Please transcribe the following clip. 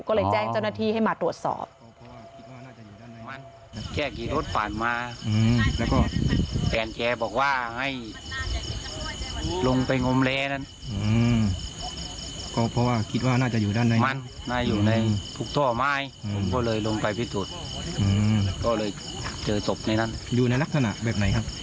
ก็เลยแจ้งเจ้าหน้าที่ให้มาตรวจสอบ